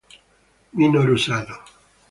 Minoru Sano